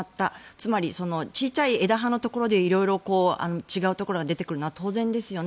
つまり、小さい枝葉のところで違うところが出てくるのは当然ですよね。